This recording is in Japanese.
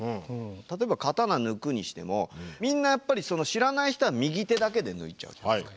例えば刀抜くにしてもみんなやっぱり知らない人は右手だけで抜いちゃうじゃないですか？